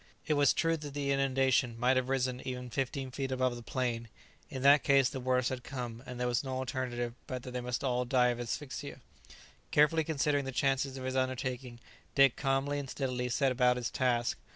It was true that the inundation might have risen even fifteen feet above the plain; in that case the worst had come, and there was no alternative but that they must all die of asphyxia. Carefully considering the chances of his undertaking, Dick calmly and steadily set about his task.